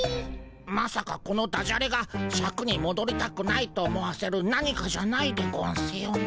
まさかこのダジャレがシャクにもどりたくないと思わせる何かじゃないでゴンスよね。